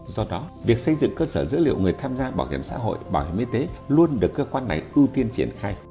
do đó việc xây dựng cơ sở dữ liệu người tham gia bảo hiểm xã hội bảo hiểm y tế luôn được cơ quan này ưu tiên triển khai